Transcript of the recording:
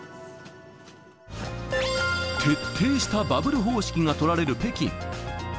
徹底したバブル方式が取られる北京。